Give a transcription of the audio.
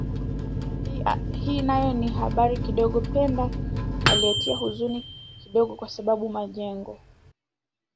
hii nayo ni habari kidogo pendo inayotia huzuni kidogo kwa sababu majengo